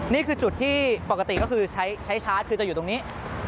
นี่คือจุดที่ปกติก็คือใช้ชาร์จคือจะอยู่ตรงนี้